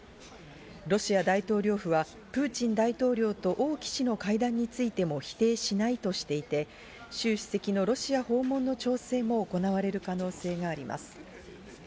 ロシア大統領府はプーチン大統領とオウ・キ氏の会談についても否定しないとしていて、シュウ主席のロシア訪問についての調整も行われる可能性があります。